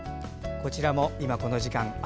こちらもこの時間、雨。